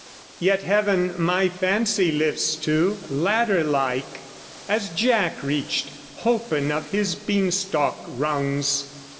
Yet heaven my fancy lifts to, ladder like, As Jack reached, holpen of his beanstalk rungs!